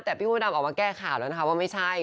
แต่พี่มดดำออกมาแก้ข่าวแล้วนะคะว่าไม่ใช่